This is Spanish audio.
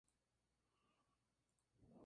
El show ha sido duramente criticado.